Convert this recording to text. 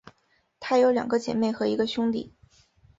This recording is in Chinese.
她有两个姐妹和一个兄弟。